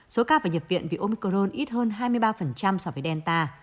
số cao và nhập viện vì omicron ít hơn hai mươi ba so với delta